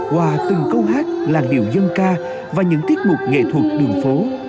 qua từng câu hát làn điệu dân ca và những tiết mục nghệ thuật đường phố